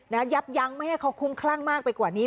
ยับยั้งไม่ให้เขาคุ้มคลั่งมากไปกว่านี้